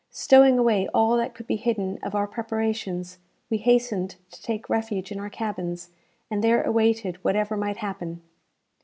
Stowing away all that could be hidden of our preparations, we hastened to take refuge in our cabins, and there awaited whatever might happen.